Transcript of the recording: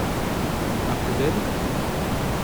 Un peu d'aide ?